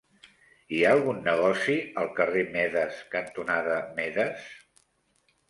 Hi ha algun negoci al carrer Medes cantonada Medes?